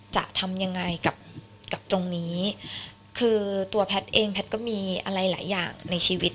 จะทำยังไงกับกับตรงนี้คือตัวแพทย์เองแพทย์ก็มีอะไรหลายอย่างในชีวิต